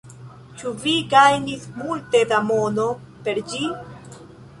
Ĉu vi gajnis multe da mono per ĝi?